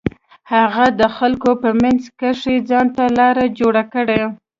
هغې د خلکو په منځ کښې ځان ته لاره جوړه کړه.